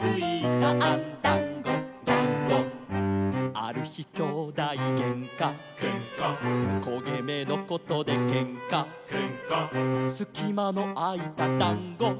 「ある日兄弟げんか」「けんか」「こげ目のことでけんか」「けんか」「すきまのあいただんご」「だんご」